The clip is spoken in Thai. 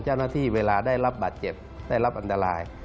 เจ้าหน้าที่เวลาได้รับบาดเจ็บได้รับอันตราย